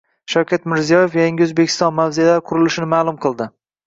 Shavkat Mirziyoyev Yangi O‘zbekiston mavzelari qurilishini ma’lum qildi